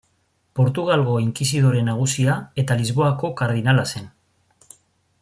Portugalgo inkisidore nagusia eta Lisboako kardinala zen.